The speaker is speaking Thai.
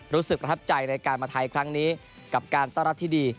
รู้สึกประทับใจในการมาไทยครั้งนี้กับการต้อนรับที่ดี